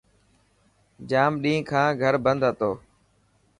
ڄام ڏينهن کان گهر بندو هتو.